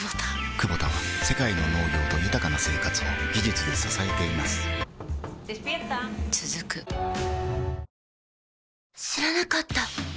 クボタは世界の農業と豊かな生活を技術で支えています起きて。